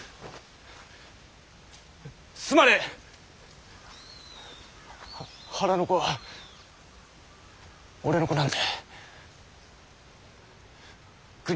すまねぇ。は腹の子は俺の子なんだ。